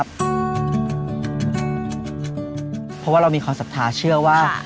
เพราะว่าเรามีความศรัทธาเชื่อว่า